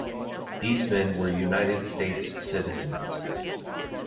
These men were United States citizens.